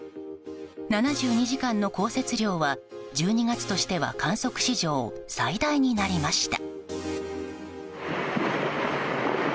７２時間の降雪量は１２月としては観測史上最大になりました。